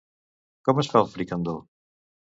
Com es fa el fricandó?